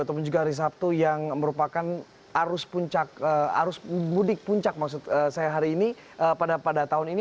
ataupun juga hari sabtu yang merupakan arus mudik puncak maksud saya hari ini pada tahun ini